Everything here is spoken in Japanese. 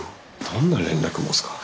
どんな連絡網っすか？